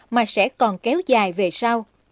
mà sẽ còn kéo dài về sau